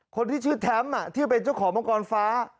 คนที่ชื่อแท้มที่เป็นเจ้าของมังกรฟ้า